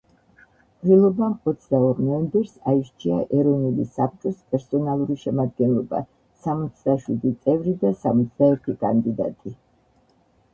ყრილობამ ოცდაორ ნოემბერს აირჩია ეროვნული საბჭოს პერსონალური შემადგენლობა - სამოცდაშვიდი წევრი და სამოცდაერთი კანდიდატი.